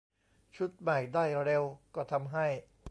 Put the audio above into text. ชุดใหม่ได้เร็วก็ทำให้